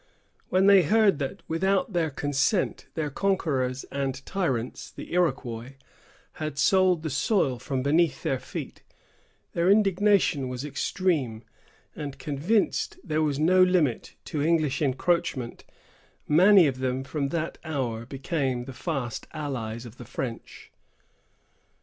When they heard that, without their consent, their conquerors and tyrants, the Iroquois, had sold the soil from beneath their feet, their indignation was extreme; and, convinced that there was no limit to English encroachment, many of them from that hour became fast allies of the French.